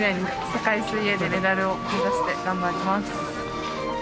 世界水泳でメダルを目指して頑張ります。